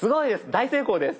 大成功です。